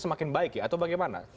semakin baik ya atau bagaimana